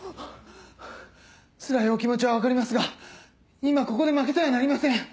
ハァハァつらいお気持ちは分かりますが今ここで負けてはなりません。